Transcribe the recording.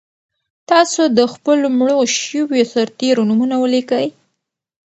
تاسو د خپلو مړو شویو سرتېرو نومونه ولیکئ.